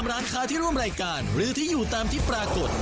ร้านค้าที่ร่วมรายการหรือที่อยู่ตามที่ปรากฏ